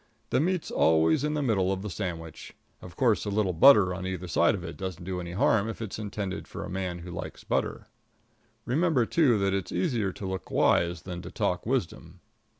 The meat's always in the middle of the sandwich. Of course, a little butter on either side of it doesn't do any harm if it's intended for a man who likes butter. Remember, too, that it's easier to look wise than to talk wisdom.